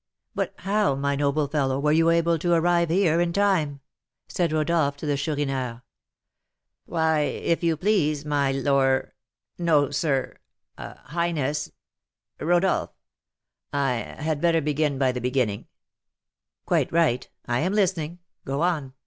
"But how, my noble fellow, were you able to arrive here in time?" said Rodolph to the Chourineur. "Why, if you please, my lor no, sir highness Rodolph I had better begin by the beginning " "Quite right. I am listening, go on.